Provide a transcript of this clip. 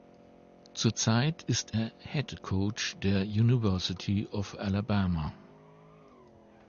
Zurzeit ist er Headcoach der University of Alabama.